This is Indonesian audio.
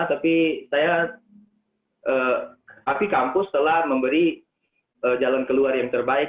tapi saya tapi kampus telah memberi jalan keluar yang terbaik